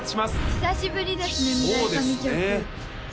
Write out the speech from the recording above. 久しぶりですね未来